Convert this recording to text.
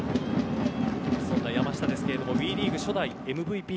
そんな山下ですがＷＥリーグ初代ＭＶＰ。